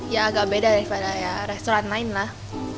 ya agak beda daripada ya restoran lain lah